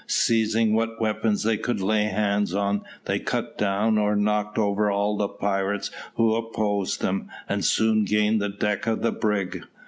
Seizing what weapons they could lay hands on, they cut down or knocked over all the pirates who opposed them, and soon gained the deck of the brig.